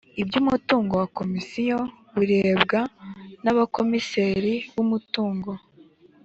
iby’umutungo wa komisiyo birebwa n’abakomiseri b’umutungo